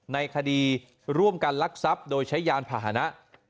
ในคดีร่วมกันลักทรัพย์โดยใช้ยานพาหนะ